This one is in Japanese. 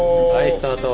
スタート。